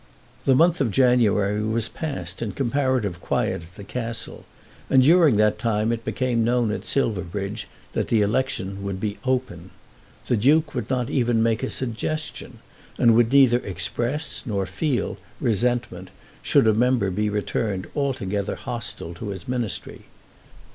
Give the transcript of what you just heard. The month of January was passed in comparative quiet at the Castle, and during that time it became known at Silverbridge that the election would be open. The Duke would not even make a suggestion, and would neither express, nor feel, resentment should a member be returned altogether hostile to his Ministry.